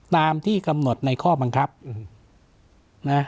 ตามที่กำหนดในข้อบังคับนะ